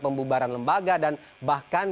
pembubaran lembaga dan bahkan